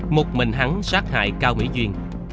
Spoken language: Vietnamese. một mình hắn sát hại cao mỹ duyên